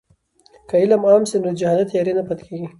که علم عام سي نو د جهالت تیارې نه پاتې کېږي.